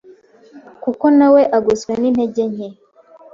kuko nawe agoswe n’intege nke.